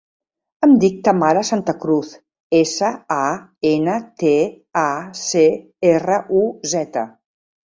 Em dic Tamara Santacruz: essa, a, ena, te, a, ce, erra, u, zeta.